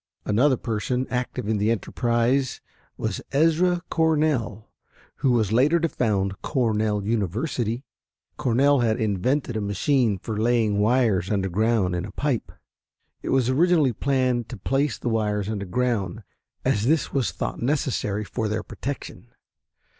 Another person active in the enterprise was Ezra Cornell, who was later to found Cornell University. Cornell had invented a machine for laying wires underground in a pipe. It was originally planned to place the wires underground, as this was thought necessary or their protection.